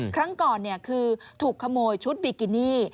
ครั้งก่อนคือถูกขโมยชุดบิกินี่